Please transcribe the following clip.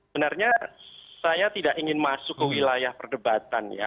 benarnya saya tidak ingin masuk ke wilayah perdebatan ya